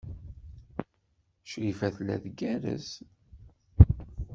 Crifa tella tgerrez.